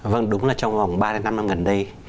vâng đúng là trong vòng ba năm năm gần đây